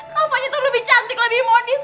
kafanya tuh lebih cantik lebih modis